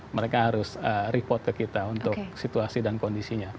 mereka harus report ke kita untuk situasi dan kondisinya